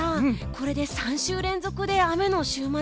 これで３週連続で雨の週末。